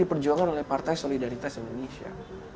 diperjuangkan oleh partai solidaritas indonesia